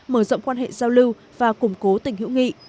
mở rộng quan hệ giao lưu và củng cố tình hữu nghị